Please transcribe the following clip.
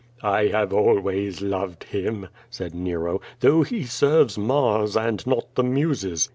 "I have always loved him," said Nero, "though he serves Mars and not the Muses."